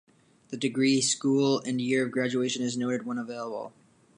The degree, school and year of graduation is noted when available.